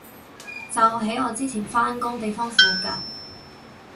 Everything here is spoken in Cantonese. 就喺我之前返工地方附近